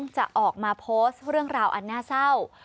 จะออกมาโพสต์เรื่องราวอันน่าเศร้า